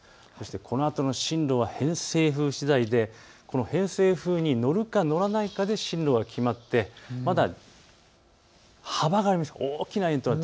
このあとの進路は偏西風しだいで偏西風に乗るか乗らないかで進路が決まってまだ幅があります。